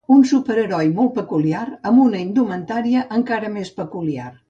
Un superheroi molt peculiar amb una indumentària encara més peculiar.